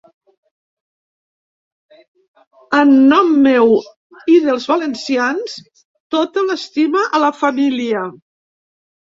En nom meu i dels valencians, tota l'estima a la família.